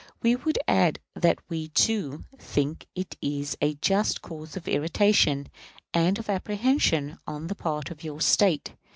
We would add that we, too, think it a just cause of irritation and of apprehension on the part of your State.